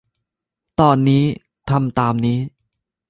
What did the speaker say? ตอนนี้ทำตามนี้